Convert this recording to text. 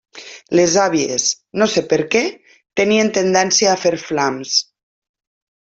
Les àvies, no sé per què, tenien tendència a fer flams.